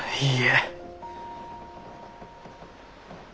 いいえ。